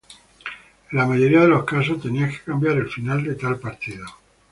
En la mayoría de los casos tenías que cambiar el final de tal partido.